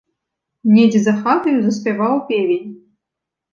Недзе за хатаю заспяваў певень.